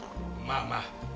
まあまあ。